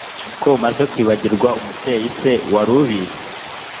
ko umaze kwibagirwa umubyeese wari ubizi